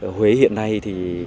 ở huế hiện nay thì